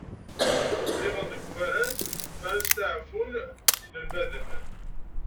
Diɣen deg ubaraz, mi ara steɛfun yinelmaden.